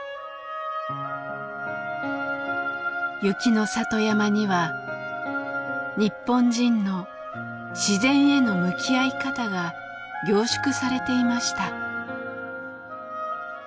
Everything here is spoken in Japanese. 雪の里山には日本人の自然への向き合い方が凝縮されていました。